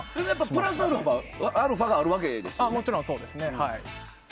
プラスアルファがあるわけですよね。